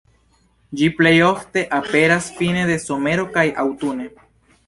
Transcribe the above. Ĝi plej ofte aperas fine de somero kaj aŭtune.